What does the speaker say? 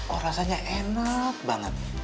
oh rasanya enak banget